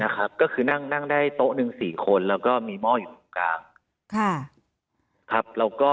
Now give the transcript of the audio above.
ก็คือนั่งได้โต๊ะหนึ่ง๔คนแล้วก็มีหม้ออยู่ตรงกลาง